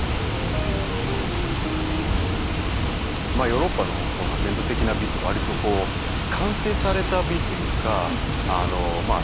ヨーロッパの伝統的な美って割とこう完成された美というかまあ